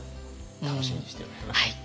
楽しみにしております。